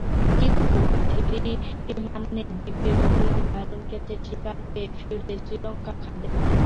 কিন্তু থিরিমান্নে ডিপে রুবেলের দারুণ ক্যাচের শিকার হয়ে ফিরলে শ্রীলঙ্কা খাদের কিনারে।